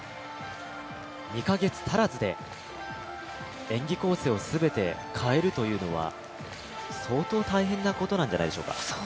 ２か月足らずで、演技構成を全て変えるというのは相当、大変なことなんじゃないでしょうか。